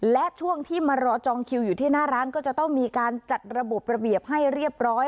และช่วงที่มารอจองคิวอยู่ที่หน้าร้านก็จะต้องมีการจัดระบบระเบียบให้เรียบร้อย